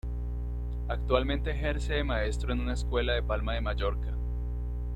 Actualmente ejerce de maestro en una escuela de Palma de Mallorca.